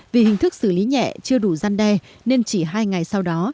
vì hình thức xử lý nhẹ chưa đủ gian đe nên chỉ hai ngày sau đó